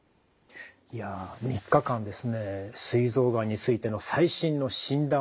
いや３日間ですねすい臓がんについての最新の診断